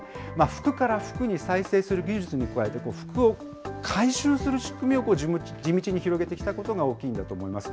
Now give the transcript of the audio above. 服から服に再生する技術に加えて、服を回収する仕組みを地道に広げてきたことが大きいんだと思います。